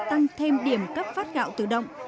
tăng thêm điểm cấp phát gạo tự động